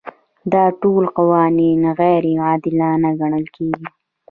دا ټول قوانین غیر عادلانه ګڼل کیږي.